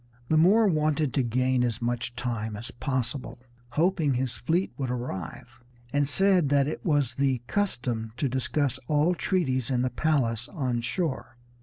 The Moor wanted to gain as much time as possible, hoping his fleet would arrive, and said that it was the custom to discuss all treaties in the palace on shore.